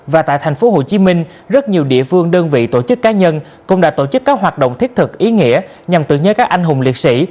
và tại thành phố hồ chí minh rất nhiều địa phương đơn vị tổ chức cá nhân cũng đã tổ chức các hoạt động thiết thực ý nghĩa nhằm tưởng nhớ các anh hùng liệt sĩ